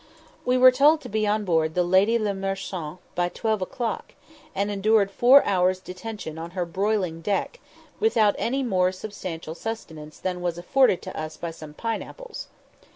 We were told to be on board the Lady le Marchant by twelve o'clock, and endured four hours' detention on her broiling deck, without any more substantial sustenance than was afforded to us by some pine apples.